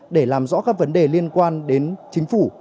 để làm rõ các vấn đề liên quan đến chính phủ